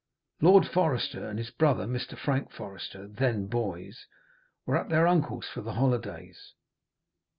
Lord Forester, and his brother, Mr. Frank Forester, then boys, were at their uncle's for the holidays.